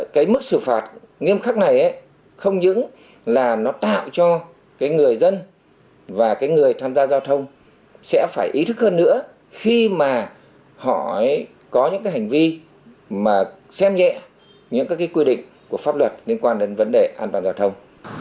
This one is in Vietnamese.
cái mức xử phạt nghiêm khắc này không những là nó tạo cho cái người dân và cái người tham gia giao thông sẽ phải ý thức hơn nữa khi mà họ có những cái hành vi mà xem nhẹ những các cái quy định của pháp luật liên quan đến vấn đề an toàn giao thông